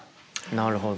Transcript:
なるほど。